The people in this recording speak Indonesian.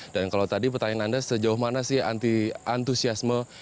dan kalau tadi pertanyaan anda sejauh mana sih antusiasme